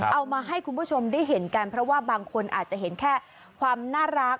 เอามาให้คุณผู้ชมได้เห็นกันเพราะว่าบางคนอาจจะเห็นแค่ความน่ารัก